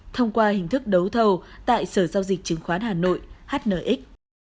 thông qua hình thức đấu thầu tại sở giao dịch chứng khoán hà nội hnx